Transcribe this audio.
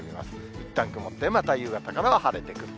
いったん曇って、また夕方からは晴れてくると。